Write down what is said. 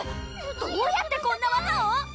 どうやってこんな技を？